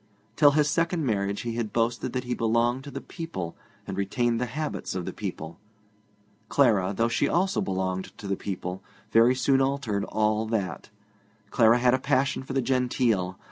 Till his second marriage he had boasted that he belonged to the people and retained the habits of the people. Clara, though she also belonged to the people, very soon altered all that. Clara had a passion for the genteel.